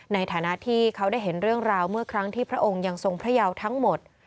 ในฐานะที่เขาได้เห็นเรื่องราวเมื่อครั้งที่พระองค์ยังทรงพระยาวทั้งหมด